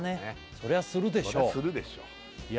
そりゃするでしょういや